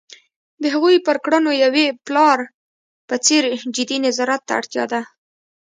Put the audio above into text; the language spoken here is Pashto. د هغوی پر کړنو یوې پلار په څېر جدي نظارت ته اړتیا ده.